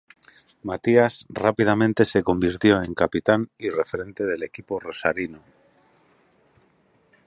Matias rápidamente se convirtió en capitán y referente del equipo rosarino.